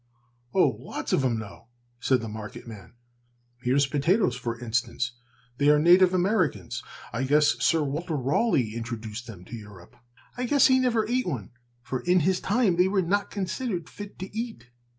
"Oh, lots of 'em know," said the market man. "Here's potatoes, for instance. They are native Americans. I guess Sir Walter Raleigh introduced them to Europe." "I guess he never ate one, for in his time they were not considered fit to eat.